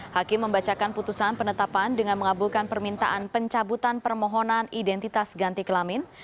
hakim membacakan putusan penetapan dengan mengabulkan permintaan pencabutan permohonan identitas ganti kelamin